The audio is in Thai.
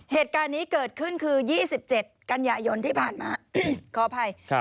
เหตุการณ์นี้เกิดขึ้นคือ๒๗กันยายนที่ผ่านมาขออภัย